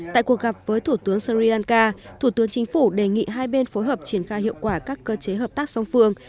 tại cuộc gặp với thủ tướng sri lanka thủ tướng chính phủ đề nghị hai bên phối hợp triển khai hiệu quả các cơ chế hợp tác song phương